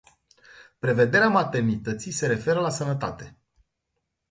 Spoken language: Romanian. Prevederea maternității se referă la sănătate.